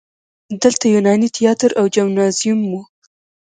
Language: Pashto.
دلته یوناني تیاتر او جیمنازیوم و